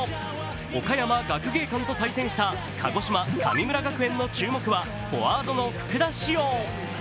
岡山学芸館と対戦した鹿児島・神村学園の注目はフォワードの福田師王。